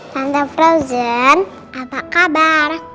tante frozen apa kabar